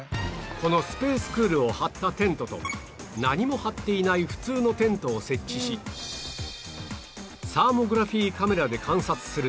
この ＳＰＡＣＥＣＯＯＬ を貼ったテントと何も貼っていない普通のテントを設置しサーモグラフィーカメラで観察すると